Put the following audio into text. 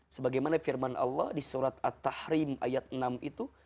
sebagaimana firman allah di surat at tahrim ayat enam itu